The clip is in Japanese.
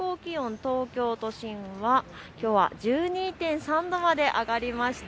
東京都心はきょうは１２．３度まで上がりました。